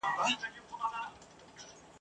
چي مي خپل سي له شمشاده تر چتراله ..